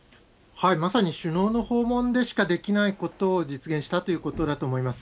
まさに首脳の訪問でしかできないことを実現したということだと思います。